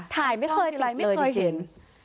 ถ่ายไม่เคยติดเลยจริง